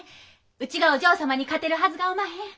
うちがお嬢様に勝てるはずがおまへん。